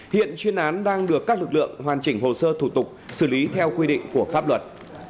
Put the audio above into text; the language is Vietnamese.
hiện chuyên án đang được các lực lượng hoàn chỉnh hồ sơ thủ tục xử lý theo quy định của pháp luật